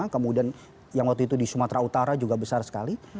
kemudian yang waktu itu di sumatera utara juga besar sekali